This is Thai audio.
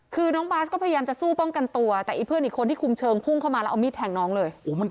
คือน้องบาสก็พยายามจะสู้ป้องกันตัวแต่ไอ้เพื่อนอีกคนที่คุมเชิงพุ่งเข้ามาแล้วเอามีดแทงน้องเลย